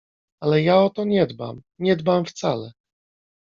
— Ale ja o to nie dbam… nie dbam wcale…